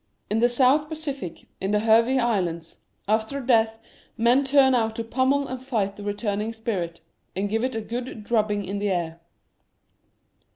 In the South Pacific, in the Hervey Islands, after a death men turn out to pummel and fight the returning spirit, and give it a good drubbing in the air.